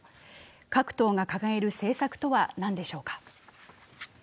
各党が掲げる政策とは何でしょうか。